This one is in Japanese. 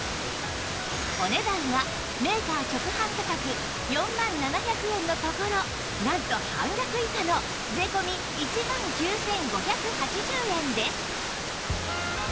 お値段はメーカー直販価格４万７００円のところなんと半額以下の税込１万９５８０円です